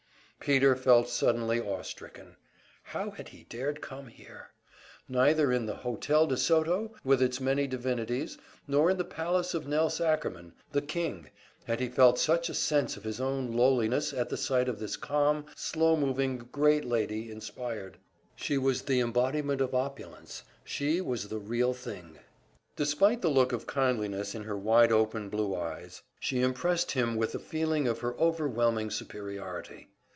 Peter felt suddenly awe stricken. How had he dared come here? Neither in the Hotel de Soto, with its many divinities, nor in the palace of Nelse Ackerman, the king, had he felt such a sense of his own lowliness as the sight of this calm, slow moving great lady inspired. She was the embodiment of opulence, she was "the real thing." Despite the look of kindliness in her wide open blue eyes, she impressed him with a feeling of her overwhelming superiority.